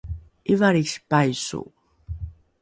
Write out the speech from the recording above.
’ivalrisi paiso